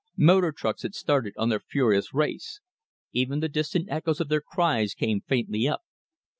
Motor trucks had started on their furious race. Even the distant echoes of their cries came faintly up.